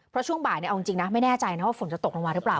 เพราะช่วงบ่ายเอาจริงนะไม่แน่ใจนะว่าฝนจะตกลงมาหรือเปล่า